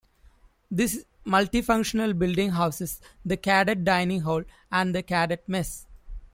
This multifunctional building houses the Cadet Dining Hall and the Cadet Mess.